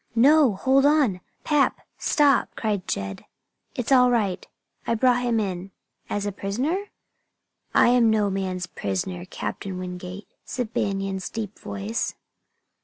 "No! Hold on, Pap stop!" cried Jed. "It's all right. I brought him in. "As a prisoner?" "I am no man's prisoner, Captain Wingate," said Banion's deep voice.